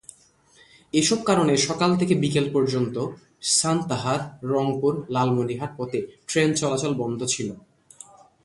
এসব কারণে সকাল থেকে বিকেল পর্যন্ত সান্তাহার-রংপুর-লালমনিরহাট পথে ট্রেন চলাচল বন্ধ ছিল।